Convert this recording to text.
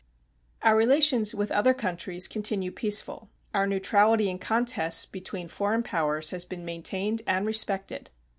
Our relations with other countries continue peaceful. Our neutrality in contests between foreign powers has been maintained and respected.